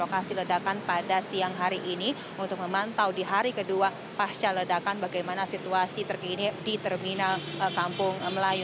lokasi ledakan pada siang hari ini untuk memantau di hari kedua pasca ledakan bagaimana situasi terkini di terminal kampung melayu